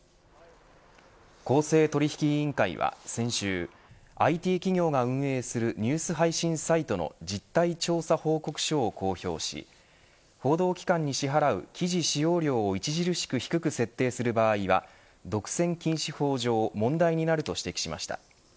公正取引委員会は、先週ＩＴ企業が運営するニュース配信サイトの実態調査報告書を公表し報道機関に支払う記事使用料を著しく低く設定する場合は独占禁止法上問題になると指摘しました。